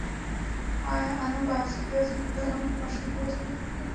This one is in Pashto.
ایا انا به بیا کله هم ماشوم ته لاس پورته کړي؟